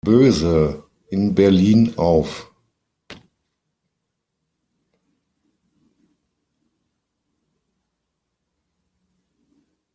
Boese, in Berlin auf.